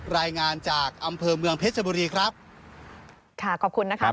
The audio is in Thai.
รายงานจากอำเภอเมืองเพชรบุรีครับค่ะขอบคุณนะครับ